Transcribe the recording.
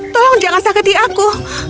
tolong jangan sakiti aku